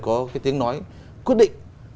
có cái tiếng nói quyết định